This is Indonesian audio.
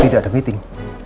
tidak ada meeting